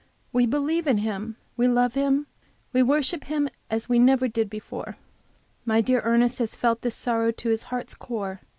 We believe in Him, we love Him, we worship as we never did before. My dear Ernest has felt this sorrow to his heart's core.